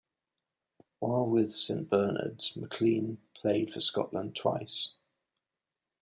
While with Saint Bernard's, McLean played for Scotland twice.